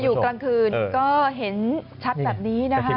อยู่กลางคืนก็เห็นชัดแบบนี้นะคะ